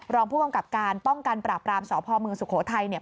รองผู้กำกับการป้องกันปราบรามสพเมืองสุโขทัยเนี่ย